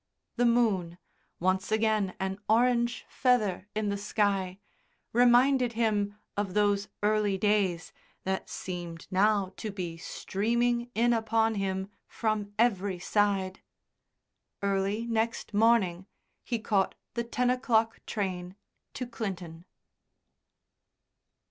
The moon, once again an orange feather in the sky, reminded him of those early days that seemed now to be streaming in upon him from every side. Early next morning he caught the ten o'clock train to Clinton.